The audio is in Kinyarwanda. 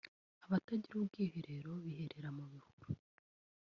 Abatagira ubwiherero biherera mu bihuru